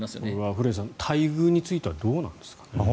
古屋さん、待遇についてはどうなんですかね。